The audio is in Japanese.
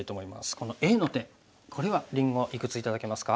このＡの手これはりんごいくつ頂けますか？